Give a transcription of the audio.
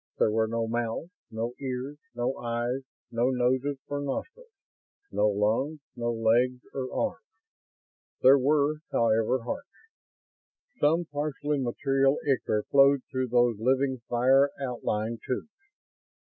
There were no mouths, no ears, no eyes, no noses or nostrils, no lungs, no legs or arms. There were, however, hearts. Some partially material ichor flowed through those living fire outlined tubes.